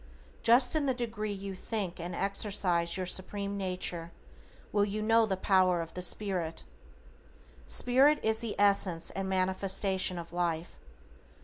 Just in the degree you THINK AND EXERCISE your Supreme Nature will you know the Power of the Spirit. Spirit is the essence and manifestation of life.